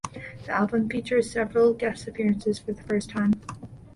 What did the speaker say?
The album features several guest appearances for the first time.